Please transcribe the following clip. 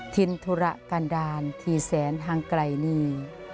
ทินธุระกันดาลทีแสนทางไกลนี่